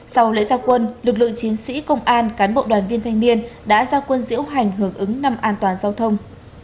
sau lễ gia quân lực lượng chiến sĩ công an cán bộ đoàn viên thanh niên đã ra quân diễu hành hưởng ứng năm an toàn giao thông